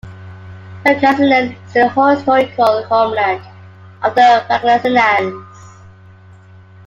Pangasinan is the historical homeland of the Pangasinans.